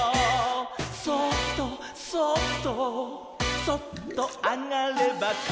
「そっとそっとそっとあがればからだの」